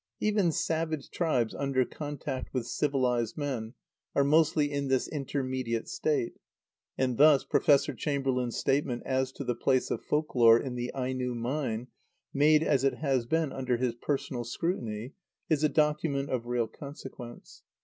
Even savage tribes under contact with civilised men are mostly in this intermediate state, and thus Professor Chamberlain's statement as to the place of folk lore in the Aino mind, made, as it has been, under his personal scrutiny, is a document of real consequence.